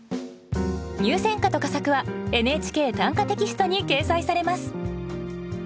入選歌と佳作は「ＮＨＫ短歌」テキストに掲載されます。